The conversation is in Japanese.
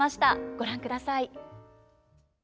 ご覧ください。